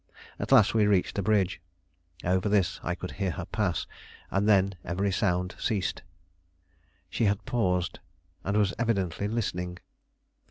At last we reached a bridge. Over this I could hear her pass, and then every sound ceased. She had paused, and was evidently listening.